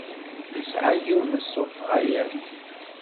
Yesɛa yiwen n ṣṣut ɣaya-t.